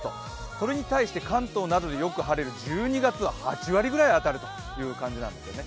これに対して関東などでよく晴れる１２月は８割ぐらい当たるという感じなんですね。